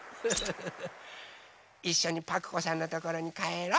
いっしょにパクこさんのところにかえろ！